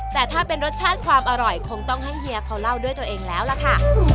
แต่ถ้าเป็นรสชาติความอร่อยคงต้องให้เฮียเขาเล่าด้วยตัวเองแล้วล่ะค่ะ